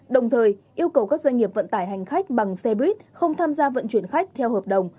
đồng thời yêu cầu các doanh nghiệp vận tải hành khách bằng xe buýt không tham gia vận chuyển khách theo hợp đồng